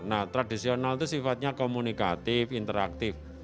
nah tradisional itu sifatnya komunikatif interaktif